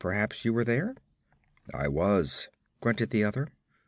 Perhaps you were there?' 'I was,' grunted the other.